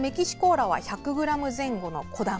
ラは１００ｇ前後の小玉。